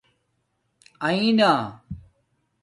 آینہ